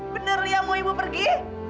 bener ya mau ibu pergi